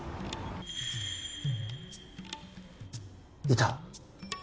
いた！